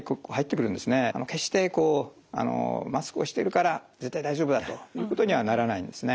決してこうマスクをしてるから絶対大丈夫だということにはならないんですね。